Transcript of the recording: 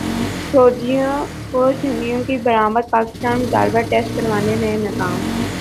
سعودیہ کو جھینگوں کی برامد پاکستان مطلوبہ ٹیسٹ کروانے میں ناکام